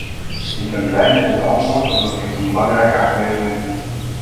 Ik ben blij met dit antwoord, omdat ik het een belangrijke aangelegenheid vind.